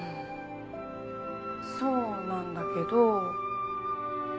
そうなんだけど。